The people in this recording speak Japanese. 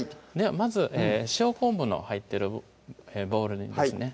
まず塩昆布の入ってるボウルにですね